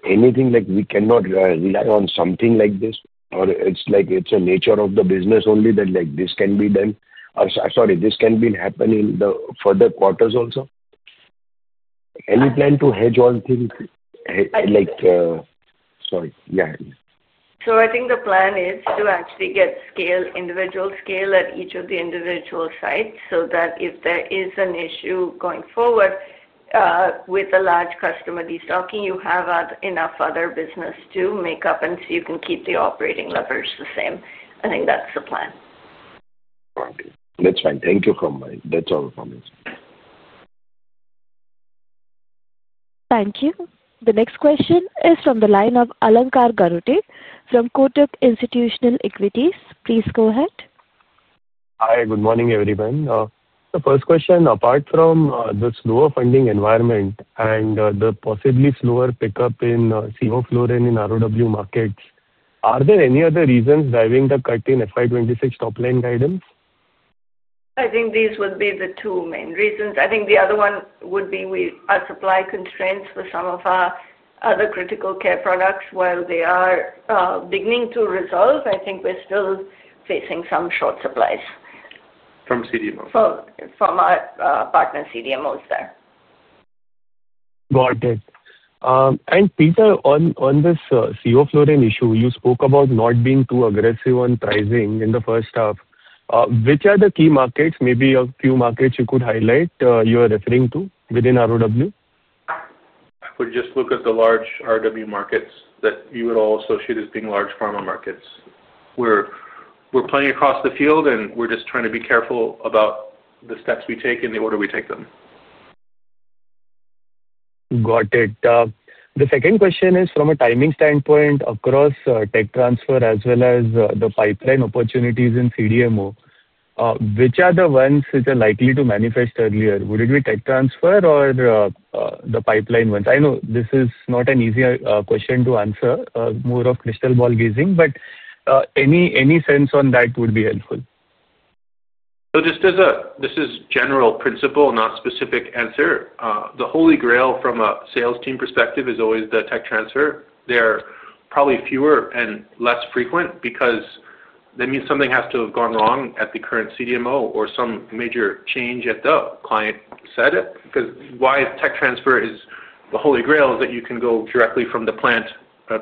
anything, like we cannot rely on something like this? Or it's a nature of the business only that this can be done? Sorry, this can be happening for the quarters also? Any plan to hedge all things? Sorry. Yeah. I think the plan is to actually get individual scale at each of the individual sites so that if there is an issue going forward, with a large customer destocking, you have enough other business to make up and see if you can keep the operating levers the same. I think that's the plan. That's fine. Thank you for my—that's all from me. Thank you. The next question is from the line of Alankar Garude from Kotak Institutional Equities. Please go ahead. Hi. Good morning, everyone. The first question, apart from the slower funding environment and the possibly slower pickup in sevoflurane in ROW markets, are there any other reasons driving the cut in FY 2026 top line guidance? I think these would be the two main reasons. I think the other one would be our supply constraints for some of our other critical care products. While they are beginning to resolve, I think we're still facing some short supplies. From CDMOs. From our partner CDMOs there. Got it. Peter, on this sevoflurane issue, you spoke about not being too aggressive on pricing in the first half. Which are the key markets, maybe a few markets you could highlight you are referring to within ROW? I would just look at the large ROW markets that you would all associate as being large pharma markets. We're playing across the field, and we're just trying to be careful about the steps we take and the order we take them. Got it. The second question is from a timing standpoint across tech transfer as well as the pipeline opportunities in CDMO. Which are the ones that are likely to manifest earlier? Would it be tech transfer or the pipeline ones? I know this is not an easy question to answer, more of crystal ball gazing, but any sense on that would be helpful. This is general principle, not specific answer. The Holy Grail from a sales team perspective is always the tech transfer. They are probably fewer and less frequent because that means something has to have gone wrong at the current CDMO or some major change at the client set because why tech transfer is the Holy Grail is that you can go directly from the plant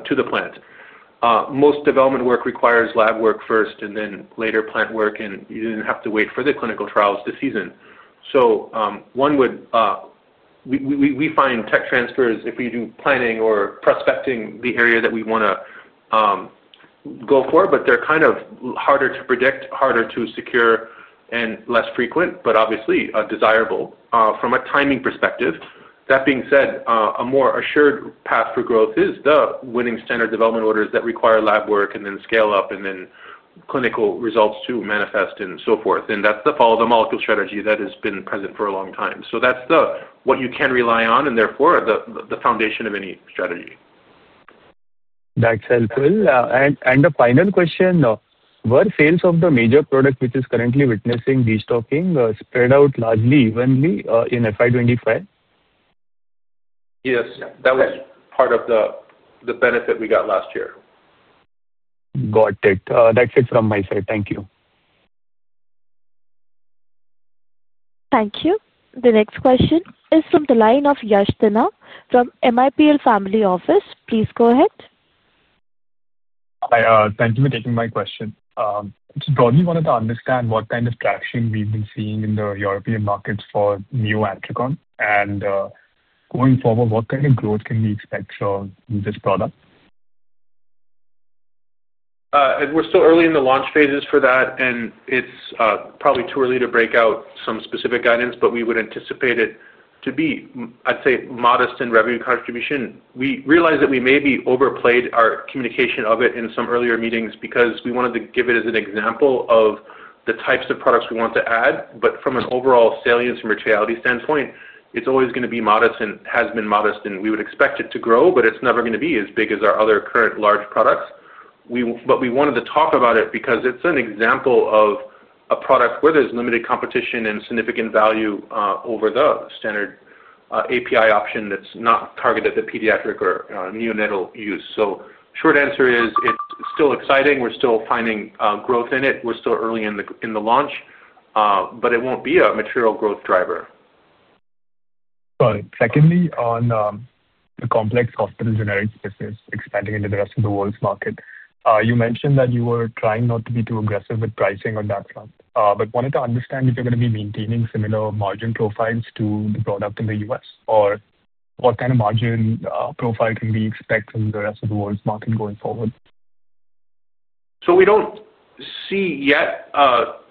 to the plant. Most development work requires lab work first and then later plant work, and you did not have to wait for the clinical trials to season. One would. We find tech transfers if we do planning or prospecting the area that we want to go for, but they are kind of harder to predict, harder to secure, and less frequent, but obviously desirable from a timing perspective. That being said, a more assured path for growth is the winning standard development orders that require lab work and then scale up and then clinical results to manifest and so forth. That is the follow-the-molecule strategy that has been present for a long time. That is what you can rely on and therefore the foundation of any strategy. That's helpful. The final question, were sales of the major product which is currently witnessing destocking spread out largely evenly in FY 2025? Yes. That was part of the benefit we got last year. Got it. That's it from my side. Thank you. Thank you. The next question is from the line of Yashthina from MIPL Family Office. Please go ahead. Hi. Thank you for taking my question. I just broadly wanted to understand what kind of traction we've been seeing in the European markets for NeoAntiCon and, going forward, what kind of growth can we expect from this product? We're still early in the launch phases for that, and it's probably too early to break out some specific guidance, but we would anticipate it to be, I'd say, modest in revenue contribution. We realize that we may have overplayed our communication of it in some earlier meetings because we wanted to give it as an example of the types of products we want to add. From an overall salience and materiality standpoint, it's always going to be modest and has been modest, and we would expect it to grow, but it's never going to be as big as our other current large products. We wanted to talk about it because it's an example of a product where there's limited competition and significant value over the standard API option that's not targeted at the pediatric or neonatal use. Short answer is it's still exciting. We're still finding growth in it. We're still early in the launch, but it won't be a material growth driver. Got it. Secondly, on the complex hospital generics space expanding into the rest of the world's market, you mentioned that you were trying not to be too aggressive with pricing on that front, but wanted to understand if you're going to be maintaining similar margin profiles to the product in the U.S. or what kind of margin profile can we expect from the rest of the world's market going forward? We do not see yet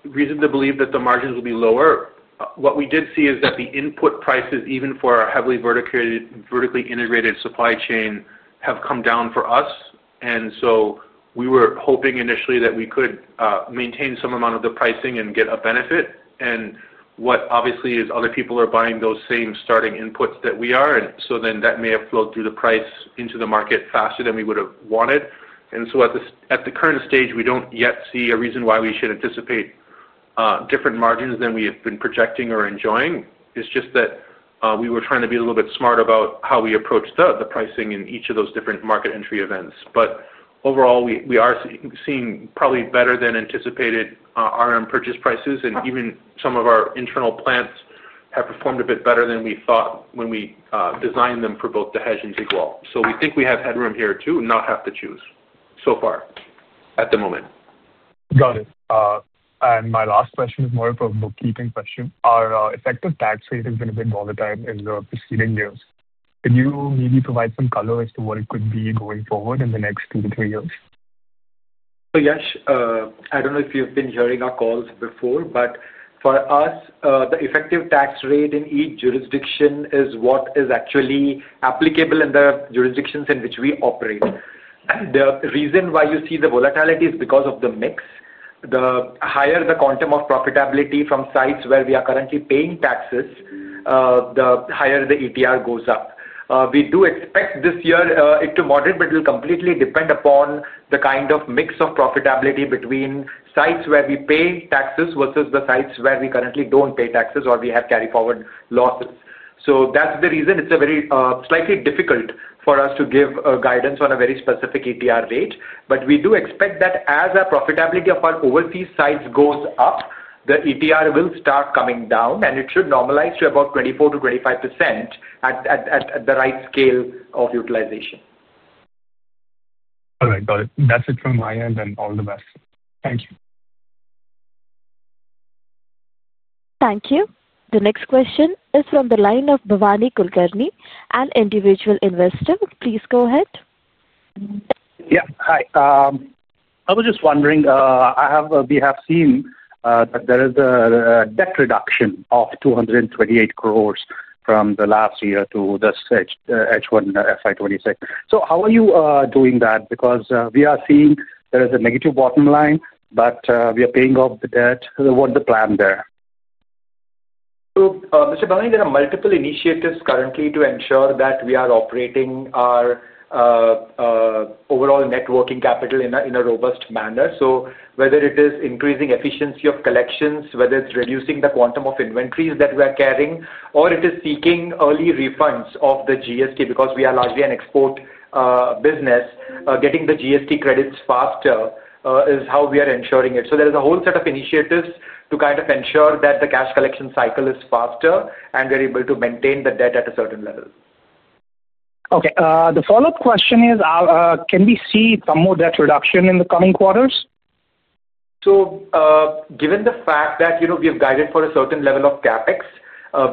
reason to believe that the margins will be lower. What we did see is that the input prices, even for our heavily vertically integrated supply chain, have come down for us. We were hoping initially that we could maintain some amount of the pricing and get a benefit. What obviously is other people are buying those same starting inputs that we are. That may have flowed through the price into the market faster than we would have wanted. At the current stage, we do not yet see a reason why we should anticipate different margins than we have been projecting or enjoying. It is just that we were trying to be a little bit smart about how we approach the pricing in each of those different market entry events. Overall, we are seeing probably better than anticipated RM purchase prices, and even some of our internal plants have performed a bit better than we thought when we designed them for both the hedge and take-all. We think we have headroom here to not have to choose so far at the moment. Got it. My last question is more of a bookkeeping question. Our effective tax rate has been a bit volatile in the preceding years. Could you maybe provide some color as to what it could be going forward in the next two to three years? Yash, I don't know if you've been hearing our calls before, but for us, the effective tax rate in each jurisdiction is what is actually applicable in the jurisdictions in which we operate. The reason why you see the volatility is because of the mix. The higher the quantum of profitability from sites where we are currently paying taxes, the higher the ETR goes up. We do expect this year it to moderate, but it will completely depend upon the kind of mix of profitability between sites where we pay taxes versus the sites where we currently don't pay taxes or we have carry-forward losses. That's the reason it's slightly difficult for us to give guidance on a very specific ETR rate. We do expect that as our profitability of our overseas sites goes up, the ETR will start coming down, and it should normalize to about 24%-25% at the right scale of utilization. All right. Got it. That's it from my end and all the best. Thank you. Thank you. The next question is from the line of Bhavani Kulkarni, an individual investor. Please go ahead. Yeah. Hi. I was just wondering, we have seen that there is a debt reduction of 2.28 billion from the last year to this H1 FY 2026. How are you doing that? Because we are seeing there is a negative bottom line, but we are paying off the debt. What's the plan there? Mr. Bhavani, there are multiple initiatives currently to ensure that we are operating our overall net working capital in a robust manner. Whether it is increasing efficiency of collections, reducing the quantum of inventories that we are carrying, or seeking early refunds of the GST because we are largely an export business, getting the GST credits faster is how we are ensuring it. There is a whole set of initiatives to kind of ensure that the cash collection cycle is faster and we are able to maintain the debt at a certain level. Okay. The follow-up question is, can we see some more debt reduction in the coming quarters? Given the fact that we have guided for a certain level of CapEx,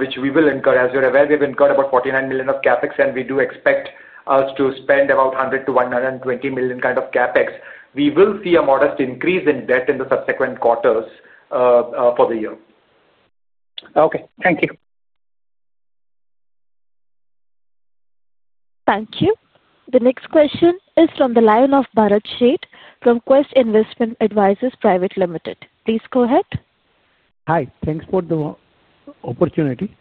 which we will incur, as you are aware, we have incurred about $49 million of CapEx, and we do expect us to spend about $100-$120 million kind of CapEx, we will see a modest increase in debt in the subsequent quarters for the year. Okay. Thank you. Thank you. The next question is from the line of Bharat Sheth from Quest Investment Advisors Private Limited. Please go ahead. Hi. Thanks for the opportunity.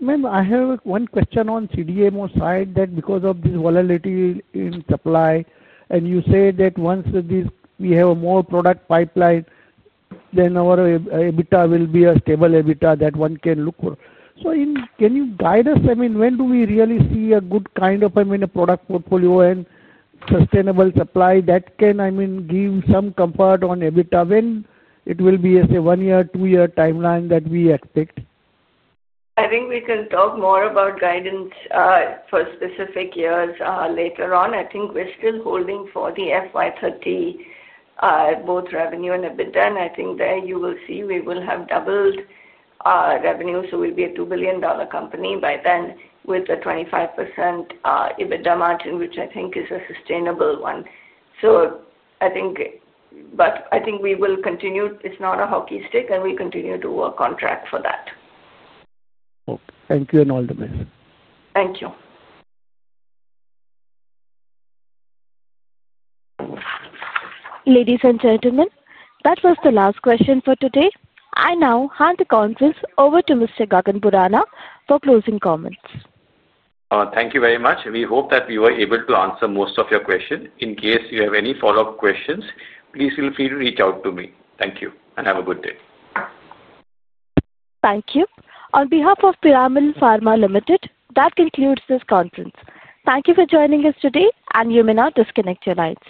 Ma'am, I have one question on the CDMO side that because of this volatility in supply, and you say that once we have a more product pipeline, then our EBITDA will be a stable EBITDA that one can look for. So can you guide us? I mean, when do we really see a good kind of product portfolio and sustainable supply that can, I mean, give some comfort on EBITDA? When it will be a one-year, two-year timeline that we expect? I think we can talk more about guidance for specific years later on. I think we're still holding for the FY 2030. Both revenue and EBITDA, and I think there you will see we will have doubled revenue. So we'll be a $2 billion company by then with a 25% EBITDA margin, which I think is a sustainable one. I think we will continue. It's not a hockey stick, and we continue to work on track for that. Thank you and all the best. Thank you. Ladies and gentlemen, that was the last question for today. I now hand the conference over to Mr. Gagan Borana for closing comments. Thank you very much. We hope that we were able to answer most of your questions. In case you have any follow-up questions, please feel free to reach out to me. Thank you and have a good day. Thank you. On behalf of Piramal Pharma Limited, that concludes this conference. Thank you for joining us today, and you may now disconnect your lines.